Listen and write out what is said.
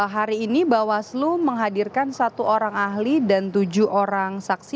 hari ini bawaslu menghadirkan satu orang ahli dan tujuh orang saksi